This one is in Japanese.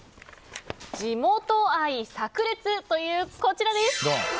地元愛さく裂という、こちらです。